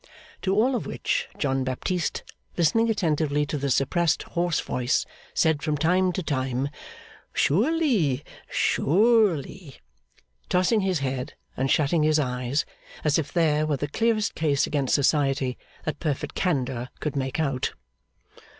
To all of which John Baptist, listening attentively to the suppressed hoarse voice, said from time to time, 'Surely, surely!' tossing his head and shutting his eyes, as if there were the clearest case against society that perfect candour could make out.